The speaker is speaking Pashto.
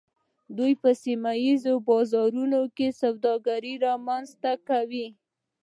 دوی په سیمه ایزو بازارونو کې سوداګري رامنځته کوي